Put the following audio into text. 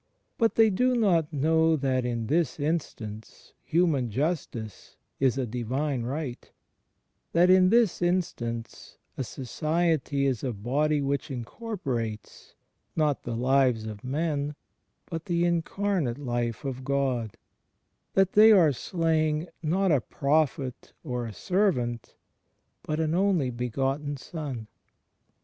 But they do not know that in this instance human justice is a Divine Right; that in this instance a Il6 THE FRIENDSHIP OF CHRIST Society is a Body which incorporates, not the lives of men, but the Incarnate Life of God; that they are slaying, not a Prophet or a Servant, but an Only Begotten Son.